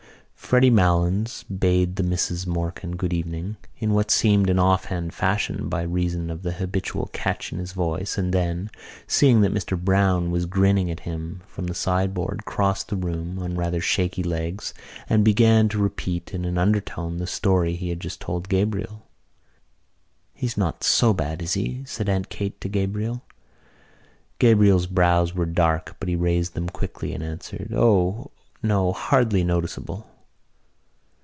Freddy Malins bade the Misses Morkan good evening in what seemed an offhand fashion by reason of the habitual catch in his voice and then, seeing that Mr Browne was grinning at him from the sideboard, crossed the room on rather shaky legs and began to repeat in an undertone the story he had just told to Gabriel. "He's not so bad, is he?" said Aunt Kate to Gabriel. Gabriel's brows were dark but he raised them quickly and answered: "O, no, hardly noticeable."